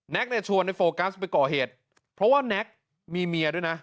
ชวนในโฟกัสไปก่อเหตุเพราะว่าแน็กมีเมียด้วยนะ